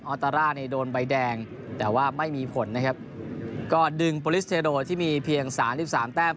ออตราร่าโดนใบแดงแต่ว่าไม่มีผลก็ดึงโปลิซเทโดลที่มีเพียงสามสิบสามแต่ม